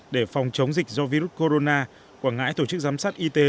để phòng chống dịch do virus corona quảng ngãi tổ chức giám sát y tế